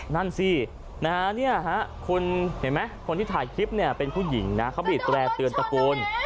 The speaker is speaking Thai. นั่นสินะฮะคุณเห็นไหมคนที่ถ่ายคลิปเนี่ยเป็นผู้หญิงนะเขาบีดแร่เตือนตะโกน